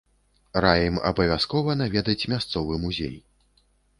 Раім абавязкова наведаць мясцовы музей.